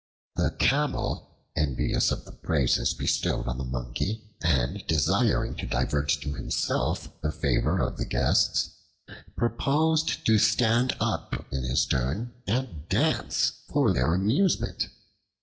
The Camel, envious of the praises bestowed on the Monkey and desiring to divert to himself the favor of the guests, proposed to stand up in his turn and dance for their amusement.